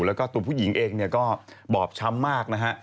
แล้วก็ตัวผู้หญิงเองเนี่ยก็บอบช้ำมากนะฮะ